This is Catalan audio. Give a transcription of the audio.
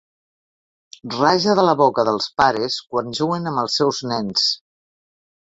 Raja de la boca dels pares quan juguen amb els seus nens.